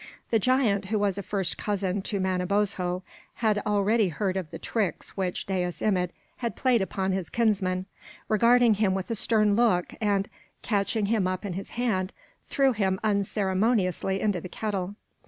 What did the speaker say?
The giant, who was a first cousin to Manabozho, and had already heard of the tricks which Dais Imid had played upon his kinsman, regarded him with a stern look, and, catching him up in his hand, threw him unceremoniously into the kettle.